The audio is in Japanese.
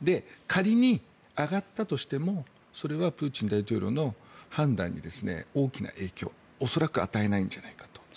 仮に上がったとしてもそれはプーチン大統領の判断に大きな影響は恐らく与えないんじゃないかと。